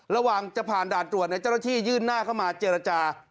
ระหว่างจะผ่านด่านตรวจเจ้าหน้าที่ยื่นหน้าเข้ามาเจรจา